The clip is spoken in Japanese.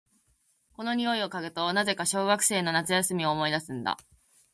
この匂いを嗅ぐと、なぜか小学生の夏休みを思い出すんだ。